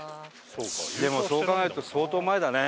でもそう考えると相当前だね。